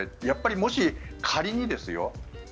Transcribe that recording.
やっぱり、もし仮にですよ